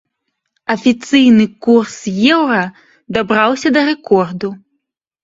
Афіцыйны курс еўра дабраўся да рэкорду.